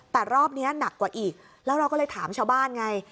แต่รอบนี้หนักกว่าอีกแล้วเราก็เลยถามชาวบ้านไง